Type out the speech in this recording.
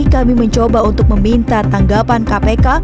kami mencoba untuk meminta tanggapan kpk